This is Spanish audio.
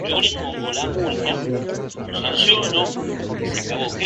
Hillel Seidel desertó de los liberales independientes al Likud.